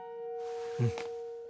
うん。